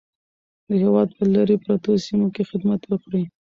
د هېواد په لیرې پرتو سیمو کې خدمت وکړئ.